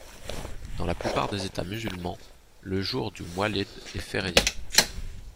Dans la plupart des États musulmans, le jour du Mawlid est férié.